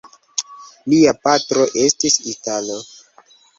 Lia patro estis italo.